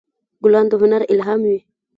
ګلان د هنر الهام وي.